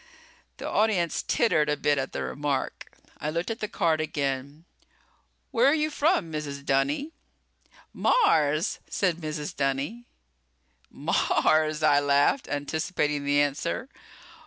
The audience tittered a bit at the remark. I looked at the card again. "Where are you from, Mrs. Dunny?" "Mars!" said Mrs. Dunny. "Mars!" I laughed, anticipating the answer.